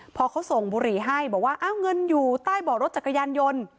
พอเขาส่งบุหรี่ให้บอกว่าอ้าวเงินอยู่ใต้เบาะรถจักรยานยนต์